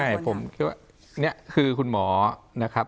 ใช่ผมคิดว่านี่คือคุณหมอนะครับ